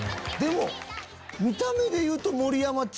でも見た目で言うと。